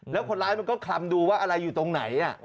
แล้วคนร้ายมันก็คลำดูว่าอะไรอยู่ตรงไหน